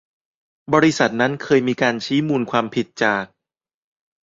บริษัทนั้นเคยมีการชี้มูลความผิดจาก